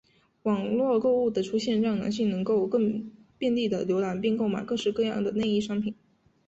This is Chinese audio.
网路购物的出现让男性能够更便利地浏览并购买各式各样的内衣商品。